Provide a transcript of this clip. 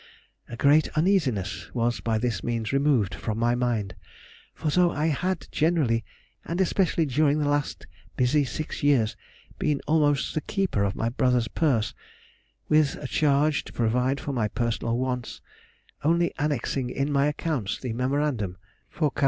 A great uneasiness was by this means removed from my mind, for though I had generally (and especially during the last busy six years) been almost the keeper of my brother's purse, with a charge to provide for my personal wants, only annexing in my accounts the memorandum _for Car.